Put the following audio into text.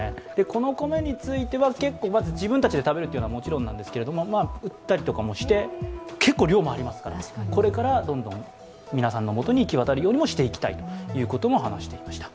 この米についてはまず自分たちで食べるというのはもちろんなんですが、売ったりとかもして、結構、量もありますからこれからどんどん皆さんの元に行き渡るようにしていきたいと話していました。